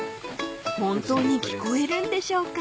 ［本当に聞こえるんでしょうか］